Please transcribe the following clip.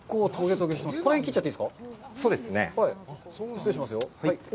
失礼しますよ。